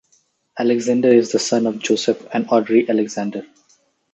Alexander is the son of Joseph and Audrey Alexander.